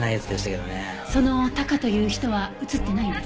そのタカという人は映ってないんですか？